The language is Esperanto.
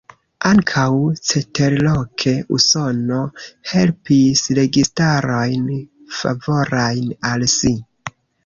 Ankaŭ ceterloke, Usono helpis registarojn favorajn al si.